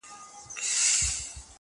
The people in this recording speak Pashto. غلط معلومات ستونزې پیدا کوي